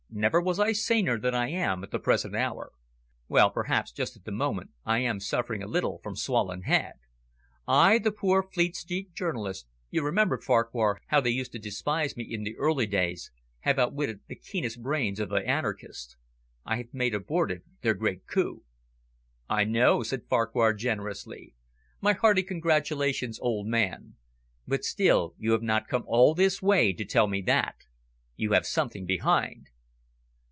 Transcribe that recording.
Never was I saner than I am at the present hour. Well, perhaps just at the moment I am suffering a little from swollen head. I, the poor Fleet Street journalist you remember, Farquhar, how they used to despise me in the early days have outwitted the keenest brains of the anarchists. I have made abortive their great coup." "I know," said Farquhar generously. "My hearty congratulations, old man. But still, you have not come all this way to tell me that. You have something behind."